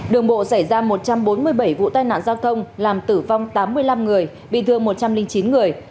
đường bộ xảy ra một trăm bốn mươi bảy vụ tai nạn giao thông làm tử vong tám mươi năm người bị thương một trăm linh chín người